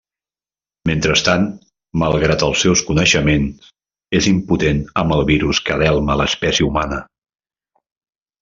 Mentrestant, malgrat els seus coneixements, és impotent amb el virus que delma l'espècie humana.